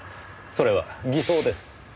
それは偽装です。